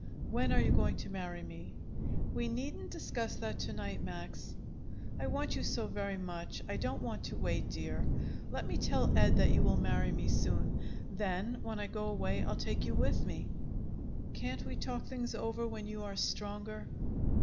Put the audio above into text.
"When are you going to marry me?" "We needn't discuss that to night, Max." "I want you so very much. I don't want to wait, dear. Let me tell Ed that you will marry me soon. Then, when I go away, I'll take you with me." "Can't we talk things over when you are stronger?"